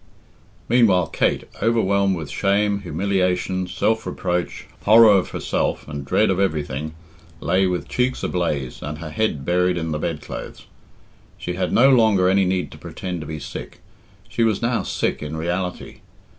Meanwhile Kate, overwhelmed with shame, humiliation, self reproach, horror of herself, and dread of everything, lay with cheeks ablaze and her head buried in the bedclothes. She had no longer any need to pretend to be sick; she was now sick in reality.